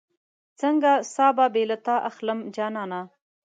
څنګه ساه به بې له تا اخلم جانانه